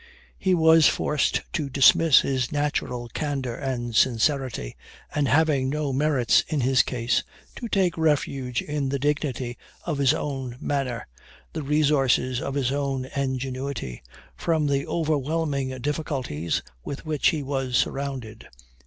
He was forced to dismiss his natural candor and sincerity, and, having no merits in his case, to take refuge in the dignity of his own manner, the resources of his own ingenuity, from the overwhelming difficulties with which he was surrounded.